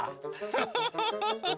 フフフフフ！